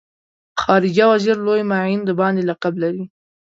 خارجه وزیر لوی معین د باندې لقب لري.